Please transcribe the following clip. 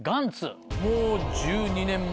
もう１２年前。